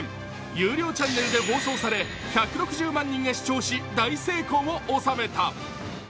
有料チャンネルで放送され１６０万人が視聴し、大成功を収めた。